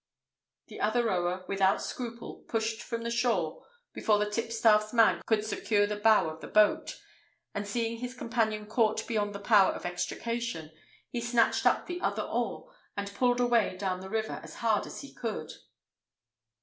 The other rower without scruple pushed from the shore before the tipstaff's man could secure the bow of the boat, and seeing his companion caught beyond the power of extrication, he snatched up the other oar, and pulled away down the river as hard as he could.